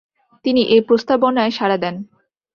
তিনি এ প্রস্তাবনায় সাড়া দেন।